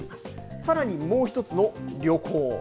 さらにもう一つの、旅行。